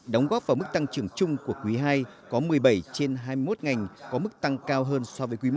đóng góp vào mức tăng trưởng chung của quý ii có một mươi bảy trên hai mươi một ngành có mức tăng cao hơn so với quý i